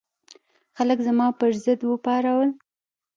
خلک زما پر ضد وپارول.